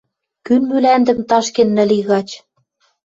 Кӱн мӱлӓндӹм ташкен нӹл и гач?